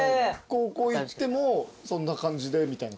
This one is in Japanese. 高校行ってもそんな感じでみたいな感じですか？